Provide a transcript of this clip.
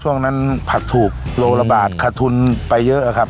ช่วงนั้นผัดถูกโลละบาทขาดทุนไปเยอะครับ